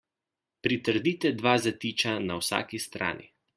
Pritrdite dve zatiča na vsaki strani.